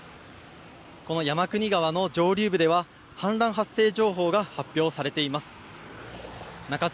この山国川の上流部では氾濫発生情報が発表されています。